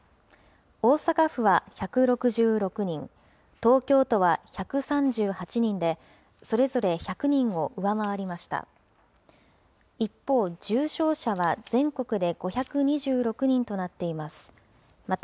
大阪府は１６６人、東京都は１３８人で、それぞれ１００人を上回りました。